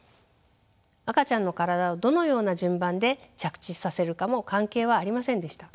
赤ちゃんの体をどのような順番で着地させるかも関係はありませんでした。